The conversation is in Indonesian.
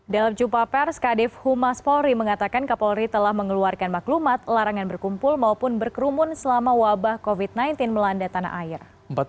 dalam jumpa pers kadif humas polri mengatakan kapolri telah mengeluarkan maklumat larangan berkumpul maupun berkerumun selama wabah covid sembilan belas melanda tanah air